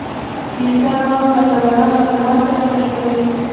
د انسان مغز ازادانه مالومات سره نښلوي.